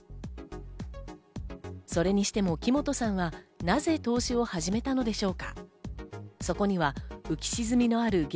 それにしても木本さんはなぜ投資を始めたのでしょうか。